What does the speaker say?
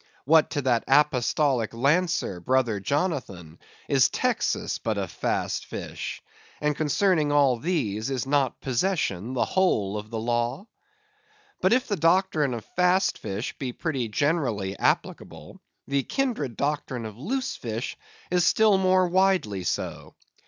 What to that apostolic lancer, Brother Jonathan, is Texas but a Fast Fish? And concerning all these, is not Possession the whole of the law? But if the doctrine of Fast Fish be pretty generally applicable, the kindred doctrine of Loose Fish is still more widely so.